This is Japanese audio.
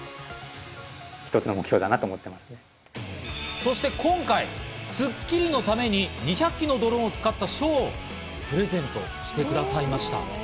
そして今回、『スッキリ』のために２００機のドローンを使ったショーをプレゼントしてくださいました。